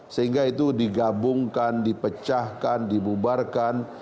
sehingga itu digabungkan dipecahkan dibubarkan